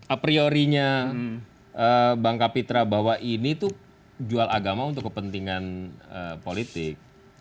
apriori nya bang kapitra bahwa ini jual agama untuk kepentingan politik